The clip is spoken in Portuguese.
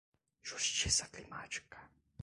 Justiça climática